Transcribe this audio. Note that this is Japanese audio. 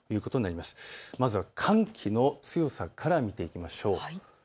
まずは寒気の強さから見ていきましょう。